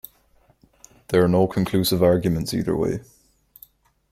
There are no conclusive arguments either way.